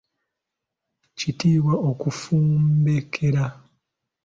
Kiyitibwa okufumbeekera.